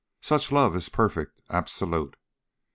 Such love is perfect, absolute.